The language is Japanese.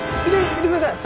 見てください！